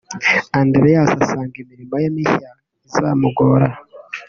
Adreas asanga imirimo ye mishya itazamugora